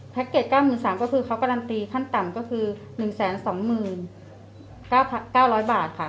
แพ็คเกจ๙๓๐๐๐ก็คือการันตีขั้นต่ำ๑๒๐๐๙๙๐บาทค่ะ